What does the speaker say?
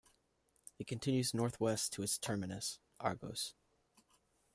It continues northwest to its terminus, Argos.